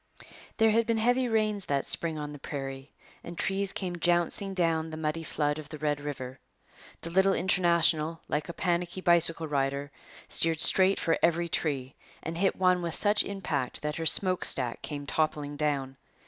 There had been heavy rains that spring on the prairie, and trees came jouncing down the muddy flood of the Red River. The little International, like a panicky bicycle rider, steered straight for every tree, and hit one with such impact that her smokestack came toppling down.